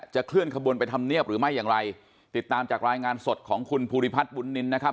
เคลื่อนขบวนไปทำเนียบหรือไม่อย่างไรติดตามจากรายงานสดของคุณภูริพัฒน์บุญนินนะครับ